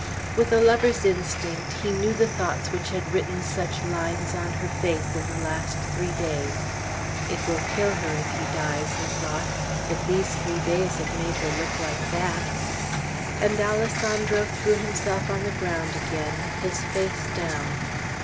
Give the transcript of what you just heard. With a lover's instinct he knew the thoughts which had written such lines on her face in the last three days. "It will kill her if he dies," he thought, "if these three days have made her look like that." And Alessandro threw himself on the ground again, his face down.